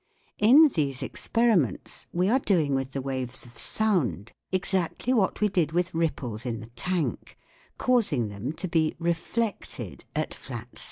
In these experiments we are doing with the waves of sound exactly what we did with ripples in the tank, causing them to be reflected at flat surfaces.